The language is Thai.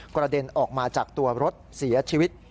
กระเด็นออกมาจากตัวรถเสียชีวิต